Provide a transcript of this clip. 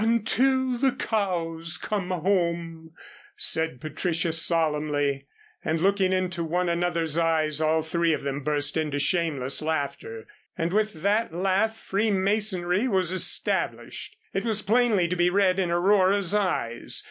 "Until the cows come home," said Patricia, solemnly, and looking into one another's eyes all three of them burst into shameless laughter. And with that laugh free masonry was established. It was plainly to be read in Aurora's eyes.